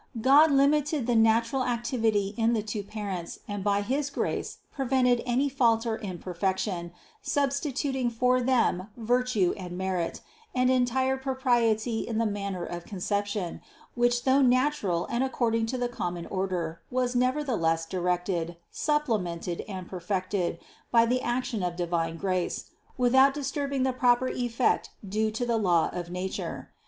211. God limited the natural activity in the two par ents and by his grace prevented any fault or imperfec tion, substituting for them virtue and merit, and entire propriety in the manner of conception, which though natural and according to the common order, was never theless directed, supplemented and perfected by the ac tion of divine grace, without disturbing the proper effect due to the law of nature.